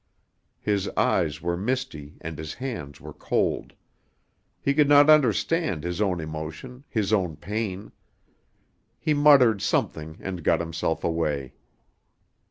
His eyes were misty, and his hands were cold. He could not understand his own emotion, his own pain. He muttered something and got himself away.